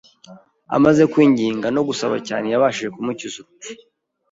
amaze kwinginga no gusaba cyane Iyabashije kumukiza urupfu